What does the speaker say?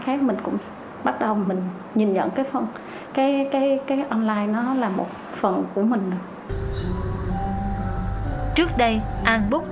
khá là thân thương của an book